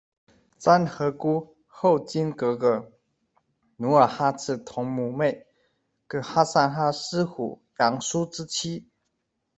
沾河姑，后金格格，努尔哈赤同母妹，噶哈善哈思虎、扬书之妻。